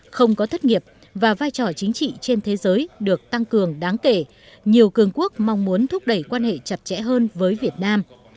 không có thất nghiệp và vai trò chính trị trên thế giới được tăng cường đáng kể nhiều cường quốc mong muốn thúc đẩy quan hệ chặt chẽ hơn với việt nam